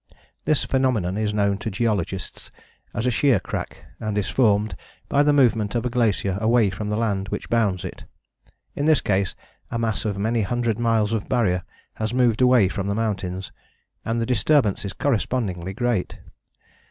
This phenomenon is known to geologists as a shear crack and is formed by the movement of a glacier away from the land which bounds it. In this case a mass of many hundred miles of Barrier has moved away from the mountains, and the disturbance is correspondingly great.